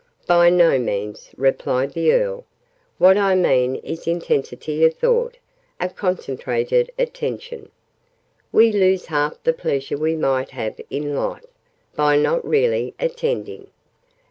"By no means!" replied the Earl. "What I mean is intensity of thought a concentrated attention. We lose half the pleasure we might have in Life, by not really attending.